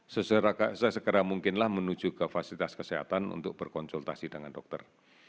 sesegera mungkinlah menuju ke fasilitas kesehatan untuk berkonsultasi dengan dokter